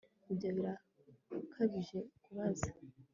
Ibyo birakabije kubaza